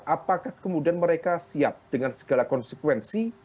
apakah kemudian mereka siap dengan segala konsekuensi untuk berada di luar kekuasaan